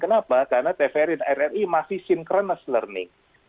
kenapa karena tvri dan rri masih synchronis learning